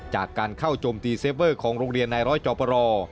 จากการเข้าโจมตีเซฟเวอร์ของโรงเรียนนายร้อยจอปร